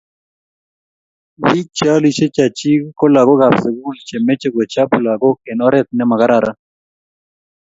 Bik che alishe chachik kolagok ab sukul chemeche kochob lagok eng oret nemo kararan.